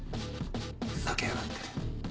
ふざけやがって